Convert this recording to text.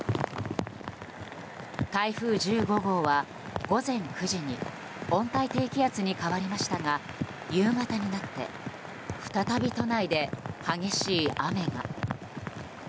台風１５号は午前９時に温帯低気圧に変わりましたが夕方になって再び都内で激しい雨が。